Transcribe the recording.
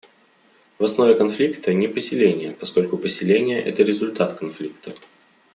В основе конфликта — не поселения, поскольку поселения — это результат конфликта.